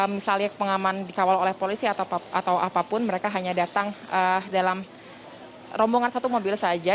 misalnya pengaman dikawal oleh polisi atau apapun mereka hanya datang dalam rombongan satu mobil saja